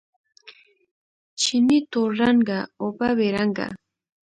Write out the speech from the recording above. چینې تور رنګه، اوبه بې رنګه